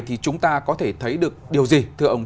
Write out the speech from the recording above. thì chúng ta có thể thấy được điều gì